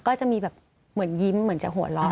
ก็จะมีแบบเหมือนยิ้มเหมือนจะหัวเราะ